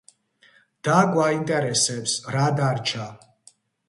და გვაინტერესებს რა დარჩა.